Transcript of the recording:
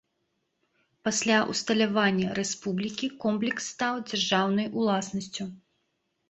Пасля ўсталявання рэспублікі комплекс стаў дзяржаўнай уласнасцю.